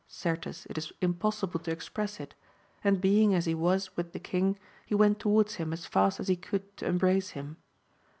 Certes it is impossible to express it, and being as he was with the king, he went towards him as fast as he could to embrace him.